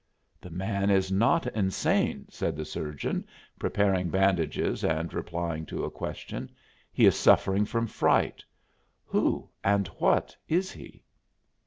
"The man is not insane," said the surgeon, preparing bandages and replying to a question; "he is suffering from fright. Who and what is he?"